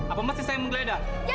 apa masih saya menggeledah